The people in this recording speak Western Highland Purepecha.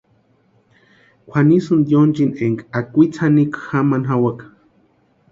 Kwʼanisïnti yonchini énka akwitsi janikwa jamani jawaka.